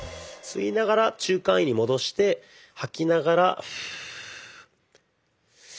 吸いながら中間位に戻して吐きながら。